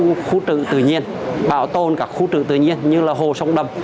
các khu trực tự nhiên bảo tồn các khu trực tự nhiên như là hồ sông đầm